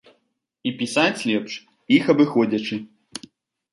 І пісаць лепш, іх абыходзячы.